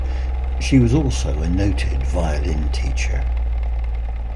She was also a noted violin teacher.